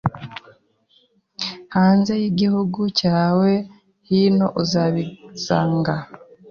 hanze y’igihugu cyawe niho uzabisanga